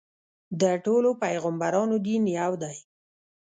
د ټولو پیغمبرانو دین یو دی.